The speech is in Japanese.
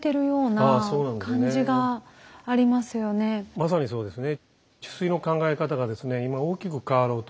まさにそうですね。